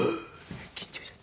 緊張して。